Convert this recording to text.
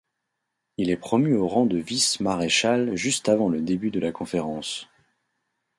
Il est promu au rang de vice-maréchal juste avant le début de la conférence.